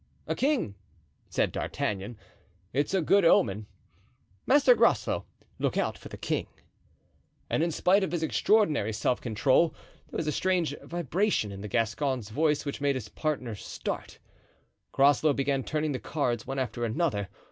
"A king," said D'Artagnan; "it's a good omen, Master Groslow—look out for the king." And in spite of his extraordinary self control there was a strange vibration in the Gascon's voice which made his partner start. Groslow began turning the cards one after another.